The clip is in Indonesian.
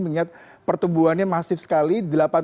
mengingat pertumbuhannya masif sekali